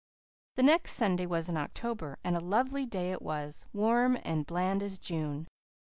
The next Sunday was in October, and a lovely day it was, warm and bland as June.